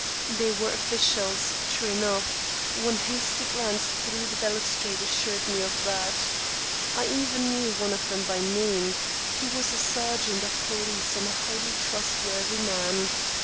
They were officials, true enough one hasty glance through the balustrade assured me of that. I even knew one of them by name he was a sergeant of police and a highly trustworthy man.